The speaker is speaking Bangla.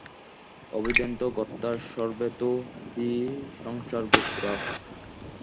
অবিদ্যান্তর্গতা সর্বে তে হি সংসারগোচরাঃ।